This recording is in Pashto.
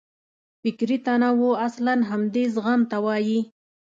فکري تنوع اصلاً همدې زغم ته وایي.